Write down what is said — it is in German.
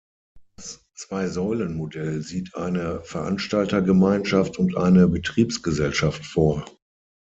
Das Zwei-Säulen-Modell sieht eine "Veranstaltergemeinschaft" und eine "Betriebsgesellschaft" vor.